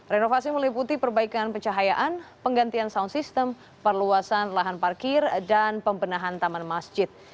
renovasi meliputi perbaikan pencahayaan penggantian sound system perluasan lahan parkir dan pembenahan taman masjid